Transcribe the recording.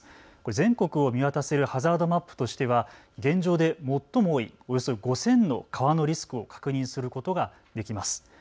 全国を見渡せるハザードマップとしては現状で最も多いおよそ５０００の川のリスクを確認することができます。